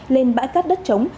lên bãi cát đất trống